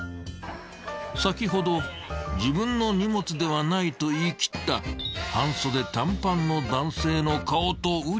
［先ほど自分の荷物ではないと言いきった半袖短パンの男性の顔とうり二つ］